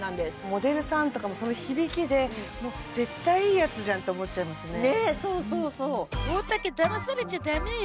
モデルさんとかもその響きでもう絶対いいやつじゃんって思っちゃいますね